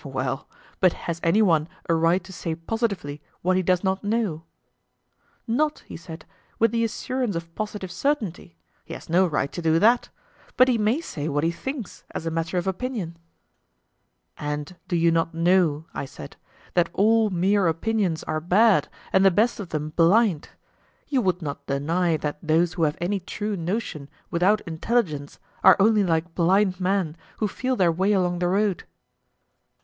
Well, but has any one a right to say positively what he does not know? Not, he said, with the assurance of positive certainty; he has no right to do that: but he may say what he thinks, as a matter of opinion. And do you not know, I said, that all mere opinions are bad, and the best of them blind? You would not deny that those who have any true notion without intelligence are only like blind men who feel their way along the road?